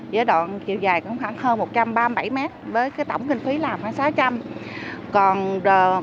giới đoạn chiều dài khoảng hơn một trăm ba mươi bảy mét với tổng kinh phí là khoảng sáu trăm linh